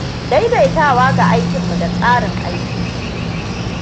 Daidaitawa ga aikin mu da tsarin aiki